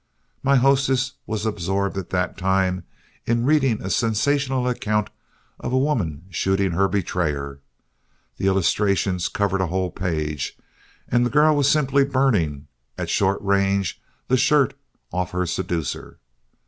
My hostess was absorbed at the time in reading a sensational account of a woman shooting her betrayer. The illustrations covered a whole page, and the girl was simply burning, at short range, the shirt from off her seducer.